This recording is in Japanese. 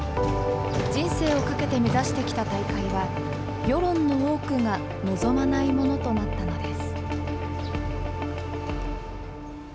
人生をかけて目指してきた大会は、世論の多くが望まないものとなったのです。